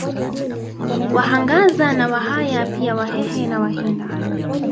Wahangaza na Wahaya pia Wahehe na Wahinda